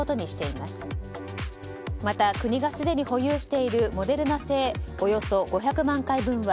また、国がすでに保有しているモデルナ製およそ５００万回分は